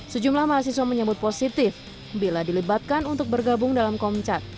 sejumlah mahasiswa menyebut positif bila dilibatkan untuk bergabung dalam komcat